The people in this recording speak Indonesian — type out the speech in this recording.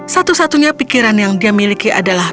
satu satunya pikiran yang dia miliki adalah